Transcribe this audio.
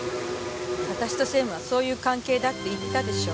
私と専務はそういう関係だって言ったでしょ。